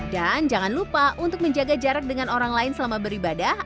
dan jangan lupa untuk menjaga jarak dengan orang lain selama beribadah